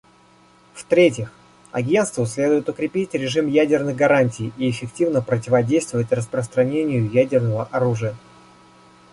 В-третьих, Агентству следует укрепить режим ядерных гарантий и эффективно противодействовать распространению ядерного оружия.